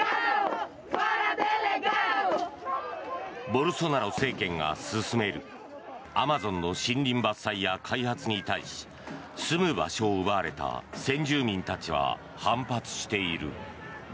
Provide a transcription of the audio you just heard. ボルソナロ政権が進めるアマゾンの森林伐採や開発に対し住む場所を奪われた先住民たちは反発している。